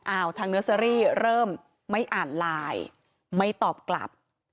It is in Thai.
ทางเนอร์เซอรี่เริ่มไม่อ่านไลน์ไม่ตอบกลับ